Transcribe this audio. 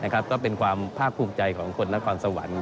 ก็เป็นความภาคภูมิใจของคนนครสวรรค์